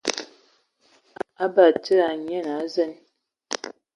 Batsidi a Ngaanyian a zen.